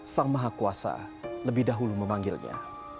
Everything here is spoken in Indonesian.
sang maha kuasa lebih dahulu memanggilnya